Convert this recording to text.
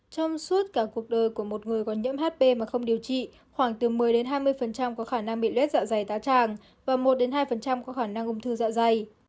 trong suốt cả cuộc đời của một người còn nhiễm hp mà không điều trị khoảng từ một mươi hai mươi có khả năng bị lết dạ dày tá tràng và một hai có khả năng ung thư dạ dày